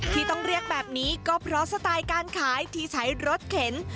ที่ต้องเรียกแบบนี้ก็เพราะสไตล์การขายที่ใช้รถเข็น